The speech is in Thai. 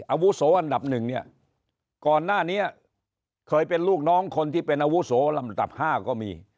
อาวุโสอันดับหนึ่งเนี่ยก่อนหน้านี้เคยเป็นลูกน้องคนที่เป็นอาวุโสลำดับ๕ก็มี